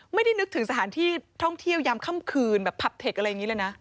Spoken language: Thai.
ไม่ได้นึกถึงสถานที่ท่องเที่ยวยามเข้มคืนแบบพับเทคอะไรแบบนี้เลยนะคะ